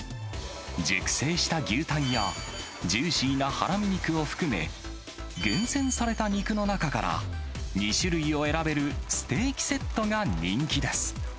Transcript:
熟成した牛タンや、ジューシーなハラミ肉を含め、厳選された肉の中から、２種類を選べるステーキセットが人気です。